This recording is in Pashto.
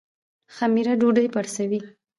خمیره ډوډۍ پړسوي